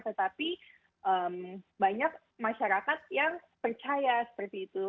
tetapi banyak masyarakat yang percaya seperti itu